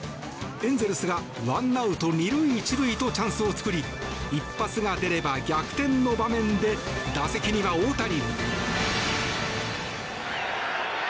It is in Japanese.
エンゼルスがワンアウト２塁１塁とチャンスを作り一発が出れば逆転の場面で打席には大谷。